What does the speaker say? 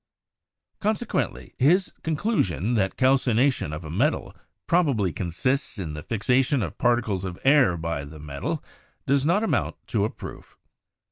Consequently, his conclusion that calcination of a metal probably consists in the fixation of particles of air by the metal, does not amount to a proof.